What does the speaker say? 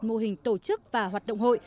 mô hình tổ chức và hoạt động hội